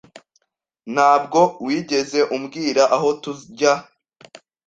Ntabwo wigeze umbwira aho tujya.